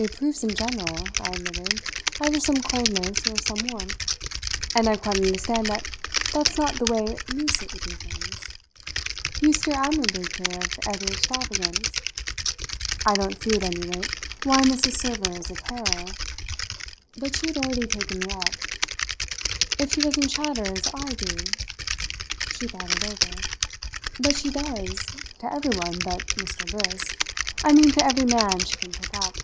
"It proves in general," I admitted, "either some coldness or some warmth, and I quite understand that that's not the way you sit with your friends. You steer admirably clear of every extravagance. I don't see, at any rate, why Mrs. Server is a terror " But she had already taken me up. "If she doesn't chatter as I do?" She thought it over. "But she does to everyone but Mr. Briss. I mean to every man she can pick up."